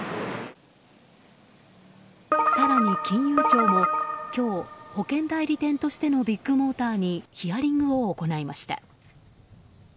更に、金融庁も今日、保険代理店としてのビッグモーターにヒアリングを行いました。